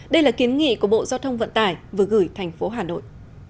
đây là kiến nghị của bộ giao thông vận tải vừa gửi thành phố hà nội